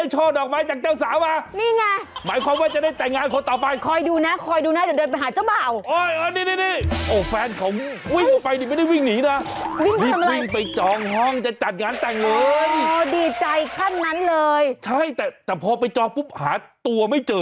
ฮ่าฮ่าฮ่าฮ่าฮ่าฮ่าฮ่าฮ่าฮ่าฮ่าฮ่าฮ่าฮ่าฮ่าฮ่าฮ่าฮ่าฮ่าฮ่าฮ่าฮ่าฮ่าฮ่าฮ่าฮ่าฮ่าฮ่าฮ่าฮ่าฮ่าฮ่าฮ